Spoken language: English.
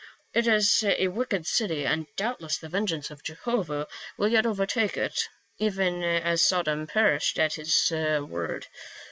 " It is a wicked city and doubtless the vengeance of Jehovah will yet overtake it, even as Sodom perished at his word.